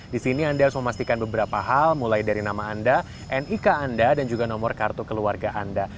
di sini anda harus memastikan beberapa hal mulai dari nama anda nik anda dan juga nomor kartu keluarga anda